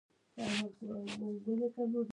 ميخانې د لوڅو جونو بې مزې دي